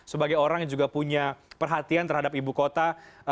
sebagai orang yang juga punya perhatian terhadap ibu kota